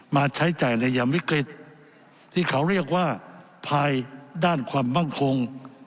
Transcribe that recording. มาใช้จ่ายในยามวิกฤตที่เขาเรียกว่าภายด้านความมั่งคง